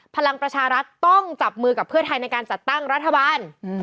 พลังประชารัฐต้องจับมือกับเพื่อไทยในการจัดตั้งรัฐบาล